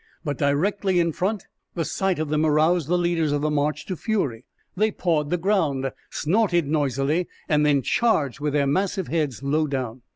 But directly in front, the sight of them aroused the leaders of the march to fury. They pawed the ground, snorted noisily, and then charged with their massive heads low down.